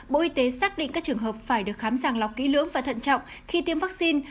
bộ y tế xác định các trường hợp phải được khám sàng lọc ký lưỡng và thận trọng khi tiêm vaccine